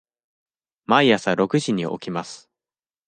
毎朝六時に起きます。